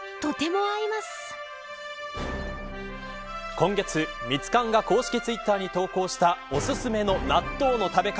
今月、ミツカンが公式ツイッターに投稿したおすすめの納豆の食べ方。